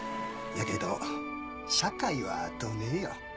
やけど社会はどねぇよ？